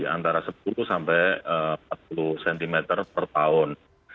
antara sepuluh sampai empat puluh cm per tahun